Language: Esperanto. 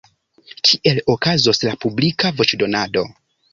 Kiel okazos la publika voĉdonado?